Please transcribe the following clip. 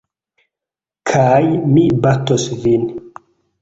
Kaj mi batos vin.